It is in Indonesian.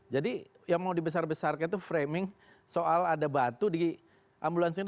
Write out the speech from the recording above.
jadi yang mau dibesar besarkan itu framing soal ada batu di ambulansi